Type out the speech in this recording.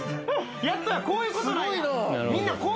やったこういうことなんや！